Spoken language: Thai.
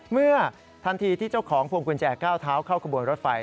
เมื่อทันทีที่เจ้าของพวงกุญแจก้าวเท้าเข้ากระบวนรถไฟ